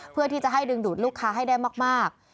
เพื่อที่จะให้ดึงดูดลูกค้าให้ได้มาก